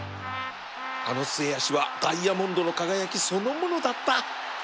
あの末脚はダイヤモンドの輝きそのものだった